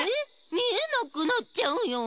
みえなくなっちゃうよ。